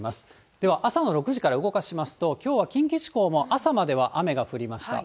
では、朝の６時から動かしますと、きょうは近畿地方も朝までは雨が降りました。